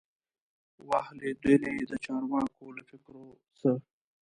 وه لوېدلي د چارواکو له فکرو سه